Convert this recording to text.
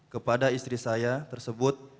kepada istri saya tersebut